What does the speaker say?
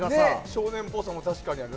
少年っぽさも確かにある。